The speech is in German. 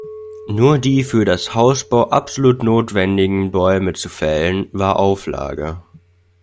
Nur die für das Hausbau absolut notwendigen Bäume zu fällen, war Auflage.